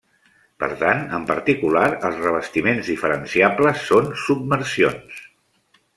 Per tant, en particular els revestiments diferenciables són submersions.